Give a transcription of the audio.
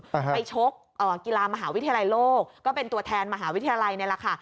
ไปชกเอ่อกีฬามหาวิทยาลัยโลกก็เป็นตัวแทนมหาวิทยาลัยนี่แหละค่ะ